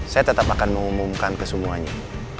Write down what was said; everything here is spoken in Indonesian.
saya tetap akan mengumumkan ke semuanya